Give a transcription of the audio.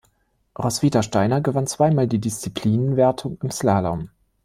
Roswitha Steiner gewann zweimal die Disziplinenwertung im Slalom.